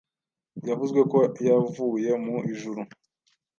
byavuzwe ko yavuye mu ijuru